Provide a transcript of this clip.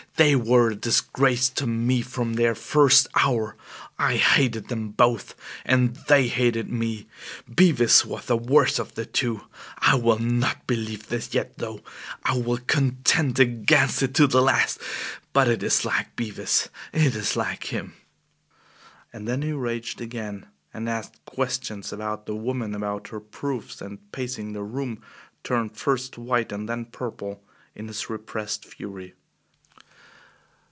"They were a disgrace to me from their first hour! I hated them both; and they hated me! Bevis was the worse of the two. I will not believe this yet, though! I will contend against it to the last. But it is like Bevis it is like him!" And then he raged again and asked questions about the woman, about her proofs, and pacing the room, turned first white and then purple in his repressed fury.